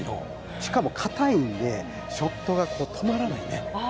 しかも、かたいんで、ショットが止まらないね。